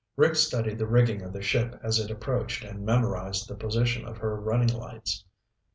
Rick studied the rigging of the ship as it approached and memorized the position of her running lights.